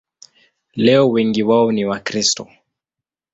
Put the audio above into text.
Leo wengi wao ni Wakristo.